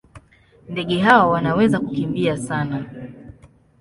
Ndege hawa wanaweza kukimbia sana.